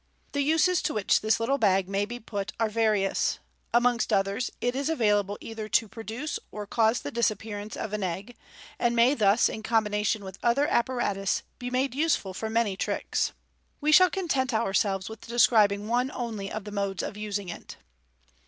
The uses to which this little bag may be put are various Amongst others, it is available either to produce or cause the dis appearance of an egg, and may thus, in combination with other apparatus, be made useful for many tricks. We sha'l coutent our selves with describing one only of the modes of using it.